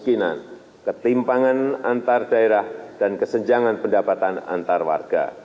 penyelenggaraan yang berbeda penyelenggaraan yang berbeda